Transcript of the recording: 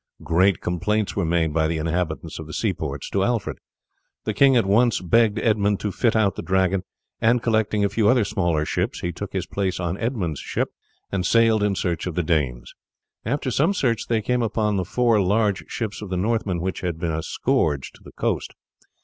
Great complaints were made by the inhabitants of the seaports to Alfred. The king at once begged Edmund to fit out the Dragon, and collecting a few other smaller ships he took his place on Edmund's ship and sailed in search of the Danes. After some search they came upon the four large ships of the Northmen which had been a scourge to the coast.